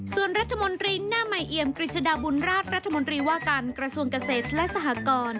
ส่วนรัฐมนตรีหน้าใหม่เอี่ยมกฤษฎาบุญราชรัฐมนตรีว่าการกระทรวงเกษตรและสหกร